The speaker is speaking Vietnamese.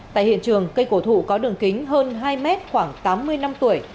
tại hiện trường cây cổ thụ có đường kính hơn hai m khoảng tám mươi năm tuổi